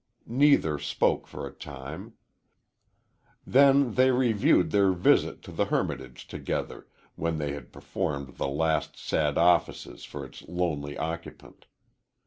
Neither spoke for a time. Then they reviewed their visit to the hermitage together, when they had performed the last sad offices for its lonely occupant.